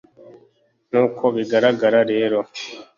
nkuko bigaragara rero